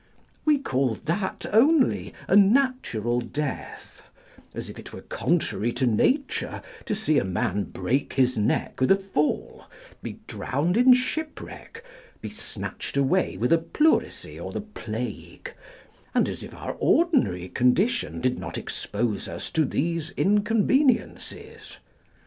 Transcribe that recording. We call that only a natural death; as if it were contrary to nature to see a man break his neck with a fall, be drowned in shipwreck, be snatched away with a pleurisy or the plague, and as if our ordinary condition did not expose us to these inconveniences.